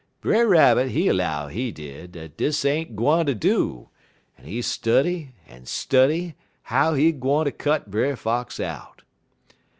Brer Rabbit, he 'low, he did, dat dis ain't gwine ter do, en he study en study how he gwine ter cut Brer Fox out.